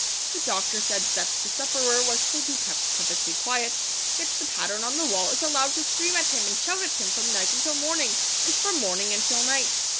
The doctor said that the sufferer was to be kept perfectly quiet; yet the pattern on the wall is allowed to scream at him and shout at him from night until morning, and from morning until night.